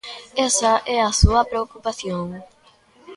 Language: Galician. Esa é a súa preocupación.